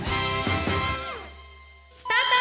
スタート！